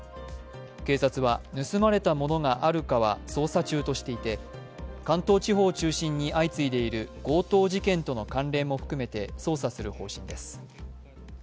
警察は、盗まれたものがあるかと捜査中としていて、関東地方を中心に相次いでいる強盗事件との関連も含めて捜査する方針です。